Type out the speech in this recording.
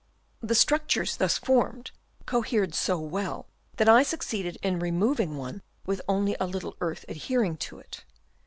The structures thus formed cohered so well, that I succeeded in removing one with only a little earth adhering to it.